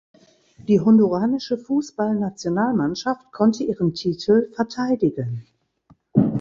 Die honduranische Fußballnationalmannschaft konnte ihren Titel verteidigen.